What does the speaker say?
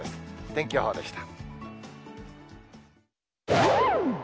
天気予報でした。